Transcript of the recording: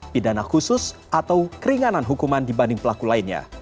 pidana khusus atau keringanan hukuman dibanding pelaku lainnya